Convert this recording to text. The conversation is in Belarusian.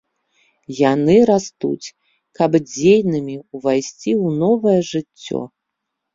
Яны растуць, каб дзейнымі ўвайсці ў новае жыццё.